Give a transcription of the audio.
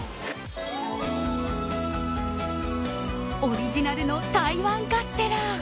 オリジナルの台湾カステラ！